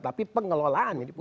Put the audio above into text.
tapi pengelolaan yang di pusat